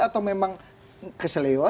atau memang keselilu saja